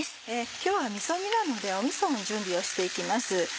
今日はみそ煮なのでみその準備をして行きます。